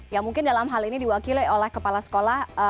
yang mungkin dalam hal ini diwakili oleh kepala sekolah